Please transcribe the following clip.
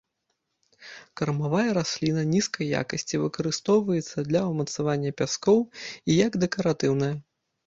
Кармавая расліна нізкай якасці, выкарыстоўваецца для ўмацавання пяскоў і як дэкаратыўная.